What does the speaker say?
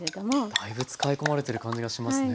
だいぶ使い込まれてる感じがしますね。